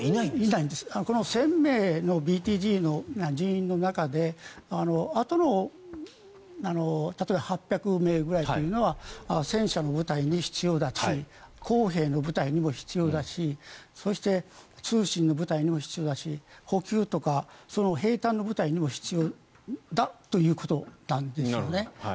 １０００名のＢＴＧの人員の中であとの例えば８００名ぐらいというのは戦車の部隊に必要だし工兵の部隊にも必要だしそして、通信の部隊にも必要だし補給とか兵たんの部隊にも必要だということなんですよね。